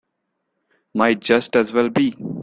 Might just as well be.